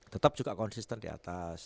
tetap juga konsisten di atas